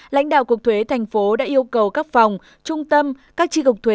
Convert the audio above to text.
lãnh đạo cục thuế tp hcm đã yêu cầu các phòng trung tâm các tri cục thuế